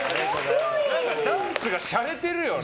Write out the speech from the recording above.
ダンスが洒落てるよね。